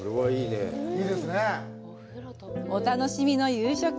お楽しみの夕食。